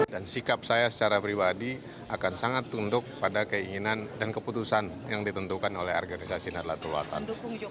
dan sikap saya secara pribadi akan sangat tunduk pada keinginan dan keputusan yang ditentukan oleh organisasi narlatul watan